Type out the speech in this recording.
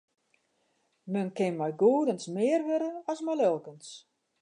Men kin mei goedens mear wurde as mei lulkens.